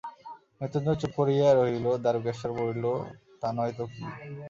মৃত্যুঞ্জয় চুপ করিয়া রহিল, দারুকেশ্বর বলিল, তা নয় তো কী?